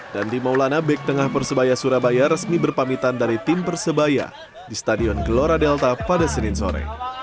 dandi maulana back tengah persebaya surabaya resmi berpamitan dari tim persebaya di stadion gelora delta pada senin sore